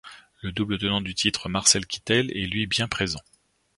Le double tenant du titre Marcel Kittel est lui bien présent.